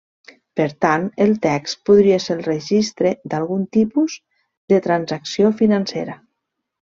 Per tant, el text podria ser el registre d'algun tipus de transacció financera.